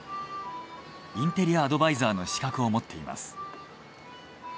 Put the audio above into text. インテリアアドバイザーの資格を持っています。